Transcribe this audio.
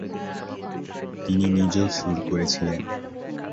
তিনি নিজেও সুর করেছিলেন।